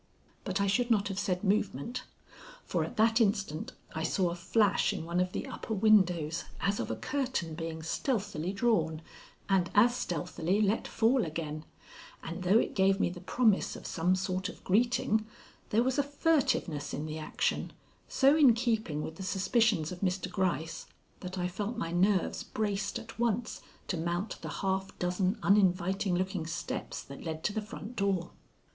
But I should not have said movement, for at that instant I saw a flash in one of the upper windows as of a curtain being stealthily drawn and as stealthily let fall again, and though it gave me the promise of some sort of greeting, there was a furtiveness in the action, so in keeping with the suspicions of Mr. Gryce that I felt my nerves braced at once to mount the half dozen uninviting looking steps that led to the front door.